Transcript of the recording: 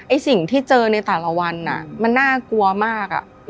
สิ่งที่เจอในแต่ละวันมันน่ากลัวมาก